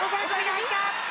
入った。